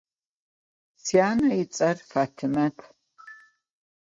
Syane ıts'er Fat'imet.